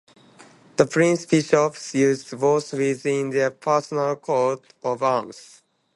The Prince-Bishops used both within their personal coat of arms.